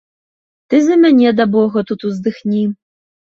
Ты за мяне да бога тут уздыхні.